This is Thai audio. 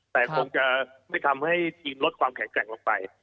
แต่คงจะไม่ทำให้ทีมลดความแข็งแกร่งลงไป